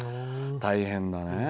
大変だね。